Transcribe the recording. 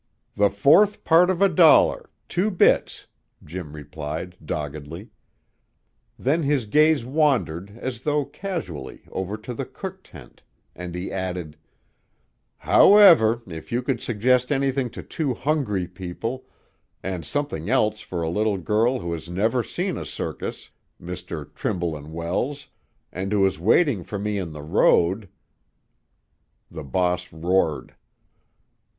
"The fourth part of a dollar, two bits!" Jim replied doggedly. Then his gaze wandered as though casually over to the cook tent, and he added: "However, if you could suggest anything to two hungry people, and something else for a little girl who has never seen a circus, Mr. Trimble and Wells, and who is waiting for me in the road " The boss roared.